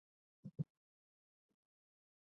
جلګه د افغانستان د طبیعت برخه ده.